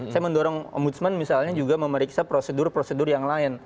saya mendorong ombudsman misalnya juga memeriksa prosedur prosedur yang lain